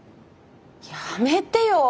やめてよ。